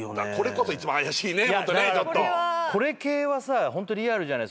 これ系はさホントリアルじゃない。